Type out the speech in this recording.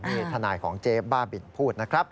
นี่ทนายของเจ๊บ้าบินพูดนะครับ